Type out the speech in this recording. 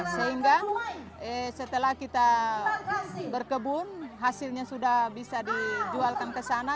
sehingga setelah kita berkebun hasilnya sudah bisa dijualkan ke sana